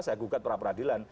saya gugat perapradilan